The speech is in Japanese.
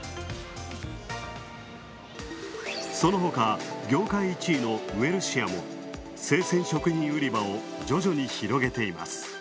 そのほか、業界１位のウエルシアも生鮮食品売り場を徐々に広げています。